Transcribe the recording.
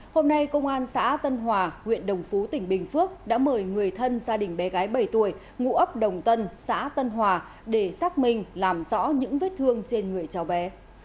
hôm nay công an xã tân hòa huyện đồng phú tỉnh bình phước đã mời người thân gia đình bé gái bảy tuổi ngụ ấp đồng tân xã tân hòa để xác minh làm rõ những vết thương trên người cháu bé